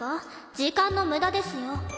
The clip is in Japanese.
時間の無駄ですよ。